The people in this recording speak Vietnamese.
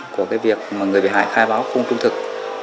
của việc người bị hại khai báo không trung thực